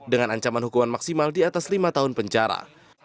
dengan ancaman hukuman maksimal di atas lima tahun penjara